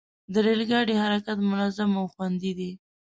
د ریل ګاډي حرکت منظم او خوندي دی.